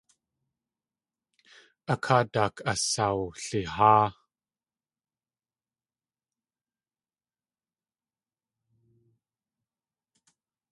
A káa daak asawliháa.